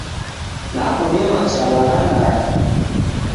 Nakudema chala na ndagha!